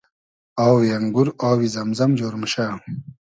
آوی انگور آوی زئم زئم جۉر موشۂ